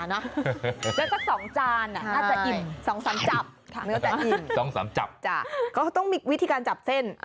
แล้วก็สองจานอาจจะอิ่ม๒๓จับ